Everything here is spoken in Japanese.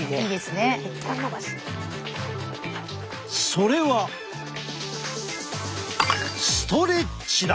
それはストレッチだ。